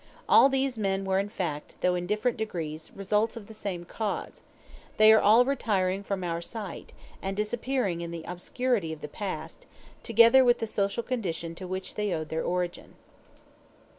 All these men were in fact, though in different degrees, results of the same cause: they are all retiring from our sight, and disappearing in the obscurity of the past, together with the social condition to which they owed their origin.